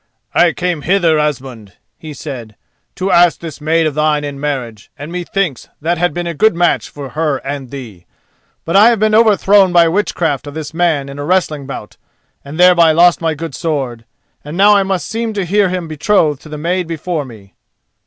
"I came hither, Asmund," he said, "to ask this maid of thine in marriage, and methinks that had been a good match for her and thee. But I have been overthrown by witchcraft of this man in a wrestling bout, and thereby lost my good sword; and now I must seem to hear him betrothed to the maid before me."